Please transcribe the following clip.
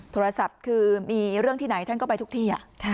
โทรศัพท์คือมีเรื่องที่ไหนท่านก็ไปทุกที่